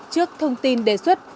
trước thông tin đề xuất